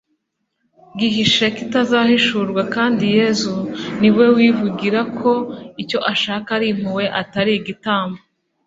gihishe kitazahishurwa, kandi yezu niwe wivugira ko icyo ashaka ari impuhwe atari igitambo